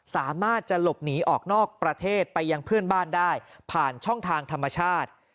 สามารถจะหลบหนีออกนอกประเทศไปยังเพื่อนบ้านได้ผ่านช่องทางธรรมชาติ